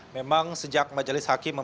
memang sejak majelis hakim